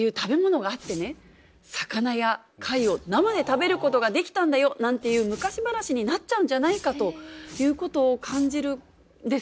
魚や貝を生で食べることができたんだよ」なんていう昔話になっちゃうんじゃないかということを感じるんですよね。